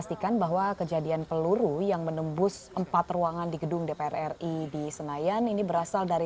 sebenarnya situasi terkini dari